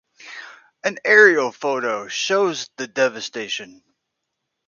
An aerial photo shows the devastation.